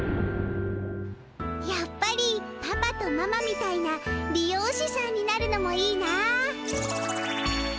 やっぱりパパとママみたいな理容師さんになるのもいいな。